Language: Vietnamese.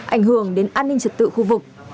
ảnh hưởng đến an ninh trật tự khu vực